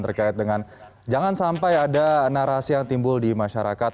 terkait dengan jangan sampai ada narasi yang timbul di masyarakat